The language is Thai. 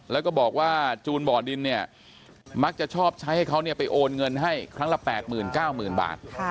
แล้วก็บอกว่าจูนบ่อดินมักจะชอบใช้ให้เขาไปโอนเงินให้คลังละ๘หมื่น๙หมื่นบาท